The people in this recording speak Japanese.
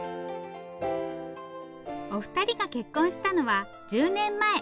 お二人が結婚したのは１０年前。